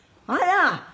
あら！